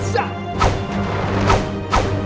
dia akan pistak ground